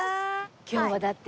今日はだって。